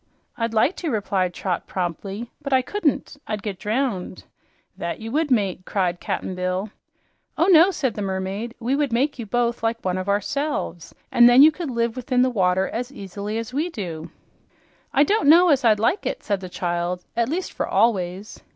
"I'd like to," replied Trot promptly, "but I couldn't. I'd get drowned." "That you would, mate!" cried Cap'n Bill. "Oh no," said the mermaid. "We would make you both like one of ourselves, and then you could live within the water as easily as we do." "I don't know as I'd like that," said the child, "at least for always."